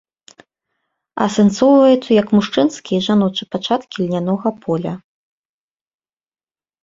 Асэнсоўваюцца як мужчынскі і жаночы пачаткі льнянога поля.